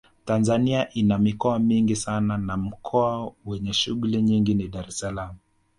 Tanzania ina mikoa mingi sana na mkoa wenye shughuli nyingi ni Dar es salaam